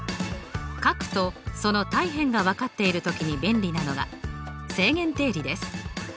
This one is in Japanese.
角とその対辺が分かっている時に便利なのが正弦定理です。